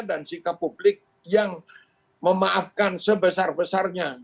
dan sikap publik yang memaafkan sebesar besarnya